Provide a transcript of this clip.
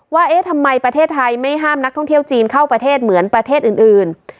ว่าเอ๊ะทำไมประเทศไทยไม่ห้ามนักท่องเที่ยวจีนเข้าประเทศเหมือนประเทศอื่น